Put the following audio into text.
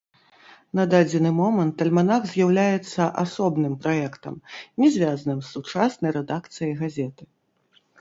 На дадзены момант альманах з'яўляецца асобным праектам, не звязаным з сучаснай рэдакцыяй газеты.